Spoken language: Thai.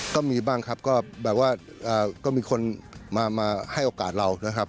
ก็มีบ้างครับก็แบบว่าก็มีคนมาให้โอกาสเรานะครับ